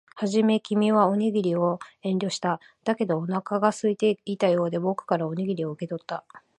はじめ、君はおにぎりを遠慮した。だけど、お腹が空いていたようで、僕からおにぎりを受け取った。